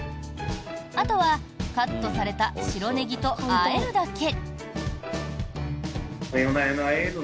あとはカットされた白ネギとあえるだけ。